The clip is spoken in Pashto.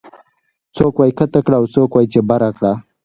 څوک وايي کته کړه او څوک وايي چې بره کړه